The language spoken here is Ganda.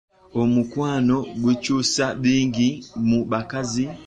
Omukwano gukyusa bingi mu bakazi.